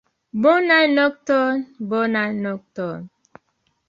Bonan nokton, bonan nokton!